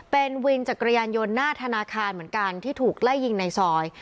เป็นวินจักรยานยนต์หน้าธนาคารเหมือนกันที่ถูกไล่ยิงในซอย